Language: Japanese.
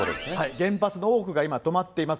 原発の多くが今、止まっています。